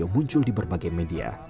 muncul di berbagai media